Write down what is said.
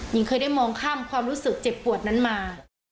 หญิงเคยได้มองข้ามความรู้สึกเจ็บปวดนั้นมา